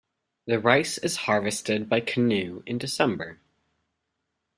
The rice is harvested by canoe in December.